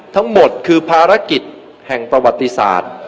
ทั้งหมดคือภารกิจแห่งประวัติศาสตร์